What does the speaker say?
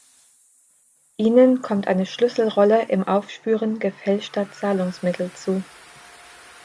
Ihnen kommt eine Schlüsselrolle im Aufspüren gefälschter Zahlungsmittel zu.